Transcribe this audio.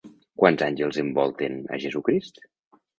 Quants àngels envolten a Jesucrist?